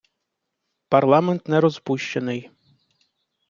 Парламент не розпущений.